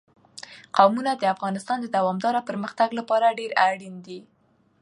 قومونه د افغانستان د دوامداره پرمختګ لپاره ډېر اړین دي.